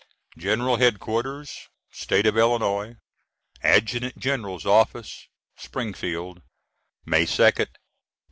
"] GENERAL HEAD QUARTERS, STATE OF ILLINOIS, ADJUTANT GENERAL'S OFFICE Springfield, May 2nd, 1861.